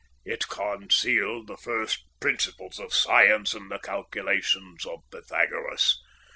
"It concealed the first principles of science in the calculations of Pythagoras.